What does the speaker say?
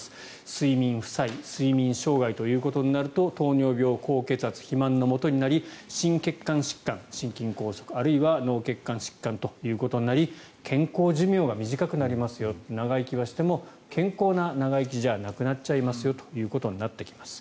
睡眠負債、睡眠障害ということになると糖尿病、高血圧肥満のもとになり心血管疾患、心筋梗塞あるいは脳血管疾患となり健康寿命が短くなりますよと長生きはしても健康な長生きじゃなくなっちゃいますよということになってきます。